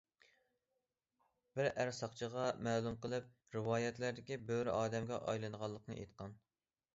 بىر ئەر ساقچىغا مەلۇم قىلىپ رىۋايەتلەردىكى بۆرە ئادەمگە ئايلىنىدىغانلىقىنى ئېيتقان.